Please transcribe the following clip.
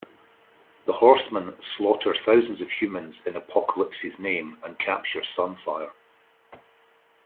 The Horseman slaughter thousands of humans in Apocalypse's name and capture Sunfire.